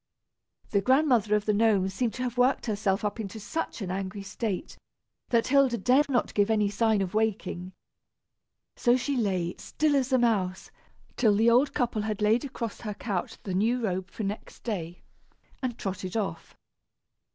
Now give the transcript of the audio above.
The Grandmother of the Gnomes seemed to have worked herself up into such an angry state, that Hilda dared not give any sign of waking. So she lay, still as a mouse, till the old couple had laid across her couch the new robe for next day, and trotted off.